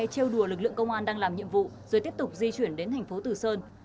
treo đùa lực lượng công an đang làm nhiệm vụ rồi tiếp tục di chuyển đến thành phố tử sơn